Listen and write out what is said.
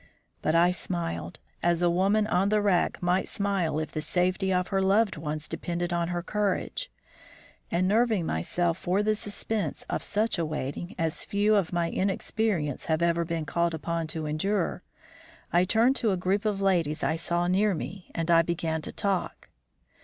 But I smiled, as a woman on the rack might smile if the safety of her loved ones depended on her courage, and, nerving myself for the suspense of such a waiting as few of my inexperience have ever been called upon to endure, I turned to a group of ladies I saw near me and began to talk.